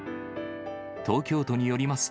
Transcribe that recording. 東京都によります